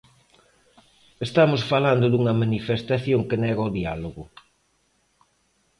Estamos falando dunha manifestación que nega o diálogo.